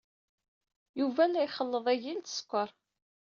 Yuba la ixelleḍ agil d sskeṛ.